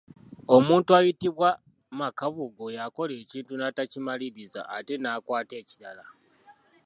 Omuntu ayitibwa Makaabugo y'akola ekintu n’atakimaliriza ate n’akwata ekirala.